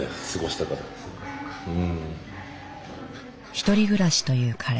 １人暮らしという彼。